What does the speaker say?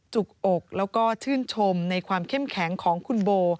จุกอกแล้วก็ชื่นชมในความเข้มแข็งของคุณโบ